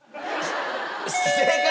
正解！